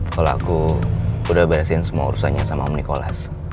kalau aku udah beresin semua urusannya sama om nikolas